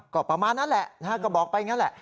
ก็ประมาณนั้นแหละก็บอกไปอย่างนั้นแหละ